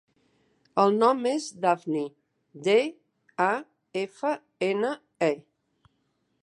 El nom és Dafne: de, a, efa, ena, e.